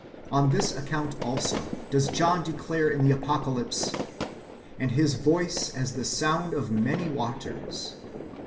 On this account also does John declare in the Apocalypse, " And His voice as the sound of many waters."